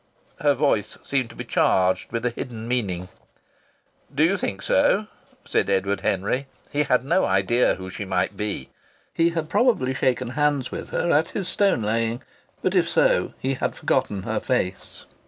Her voice seemed to be charged with a hidden meaning. "D'you think so?" said Edward Henry. He had no idea who she might be. He had probably shaken hands with her at his stone laying, but if so he had forgotten her face.